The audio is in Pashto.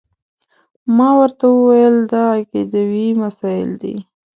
ما ورته وویل دا عقیدوي مسایل دي.